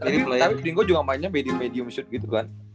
tapi pringgo juga mainnya medium shoot gitu kan